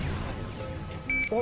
お。